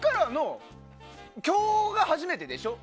今日が初めてでしょ。